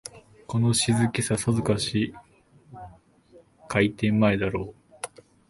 この静けさ、さぞかし開店前だろう